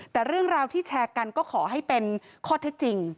แต่เรื่องราวที่แชร์กันก็ขอให้เป็นข้อเท็จจริง